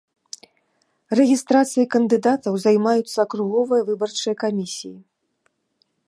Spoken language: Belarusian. Рэгістрацыяй кандыдатаў займаюцца акруговыя выбарчыя камісіі.